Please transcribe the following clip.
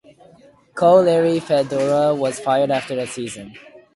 Coach Larry Fedora was fired after the season.